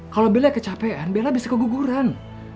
kalau bella kecapean bella bisa keguguran